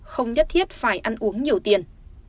không nhất thiết phải ăn uống nhiều tiền